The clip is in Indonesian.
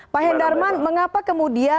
pak hendarman mengapa kemudian